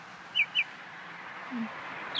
现时官涌街和炮台街就是昔日的遗址。